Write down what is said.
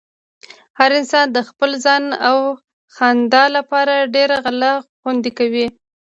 هر انسان د خپل ځان او خاندان لپاره ډېره غله خوندې کوي۔